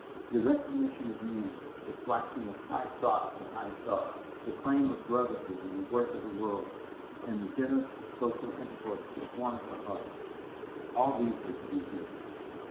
The recognition of men, the flashing of high thought to high thought, the claim of brotherhood in the work of the world, and the generous social intercourse that warms the heart—all these were to be his.